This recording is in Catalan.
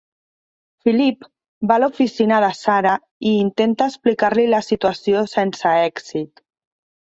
Philip va a l'oficina de Sara i intenta explicar-li la situació sense èxit.